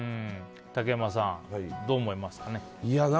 竹山さん、どう思いますかね。